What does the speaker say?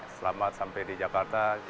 selamat sampai di jakarta